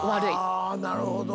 なるほど。